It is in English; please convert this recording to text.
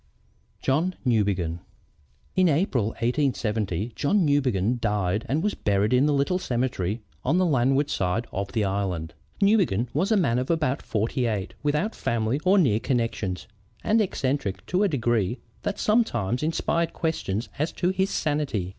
JOHN NEWBEGIN "In April, 1870, John Newbegin died and was buried in the little cemetery on the landward side of the island. Newbegin was a man of about forty eight, without family or near connections, and eccentric to a degree that sometimes inspired questions as to his sanity.